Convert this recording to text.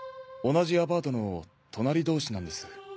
同じアパートの隣同士なんです。